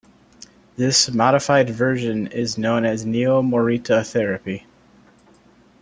This modified version is known as neo-Morita therapy.